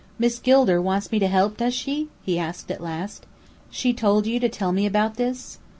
"Miss Gilder wants me to help, does she?" he asked at last. "She told you to tell me about this?"